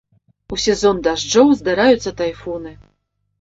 У сезон дажджоў здараюцца тайфуны.